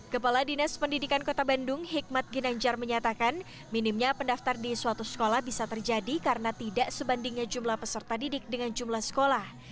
kepala dinas pendidikan kota bandung hikmat ginanjar menyatakan minimnya pendaftar di suatu sekolah bisa terjadi karena tidak sebandingnya jumlah peserta didik dengan jumlah sekolah